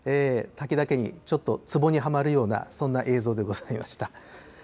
滝だけにちょっとつぼにはまるような、そんな映像でございました。